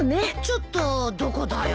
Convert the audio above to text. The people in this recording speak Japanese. ちょっとどこだよ？